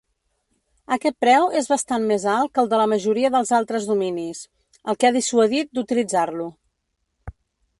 Aquest preu és bastant més alt que el de la majoria dels altres dominis, el que ha dissuadit d'utilitzar-lo.